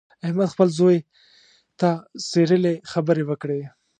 احمد خپل زوی ته څیرلې خبرې وکړې.